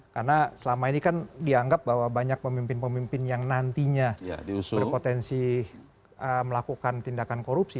karena selama ini kan dianggap bahwa banyak pemimpin pemimpin yang nantinya berpotensi melakukan tindakan korupsi